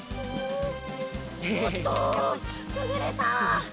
おっとくぐれた！